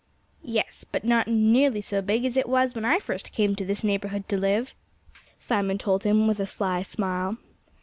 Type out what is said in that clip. "Yes but not nearly so big as it was when I first came to this neighborhood to live," Simon told him with a sly smile.